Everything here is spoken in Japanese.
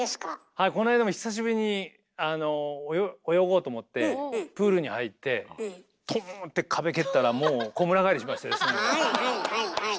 はいこの間も久しぶりに泳ごうと思ってプールに入ってトーンって壁蹴ったらもうはいはいはいはい。